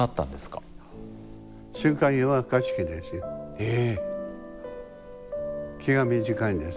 ええ。